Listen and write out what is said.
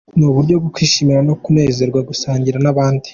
Ni uburyo bwo kwishima no kunezerwa no gusangira n’abandi.